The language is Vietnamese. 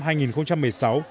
tỉnh quảng ngã